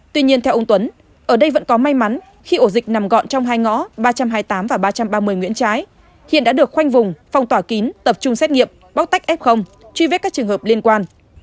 tuy nhiên theo ông tuấn ở đây vẫn có may mắn khi ổ dịch nằm gọn trong hai ngõ ba trăm hai mươi tám và ba trăm ba mươi nguyễn trái hiện đã được khoanh vùng phong tỏa kín tập trung xét nghiệm bóc tách f truy vết các trường hợp liên quan